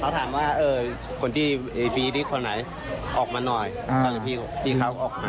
เขาถามว่าเออคนที่ที่คนไหนออกมาหน่อยอ่าเดี๋ยวพี่เขาออกมา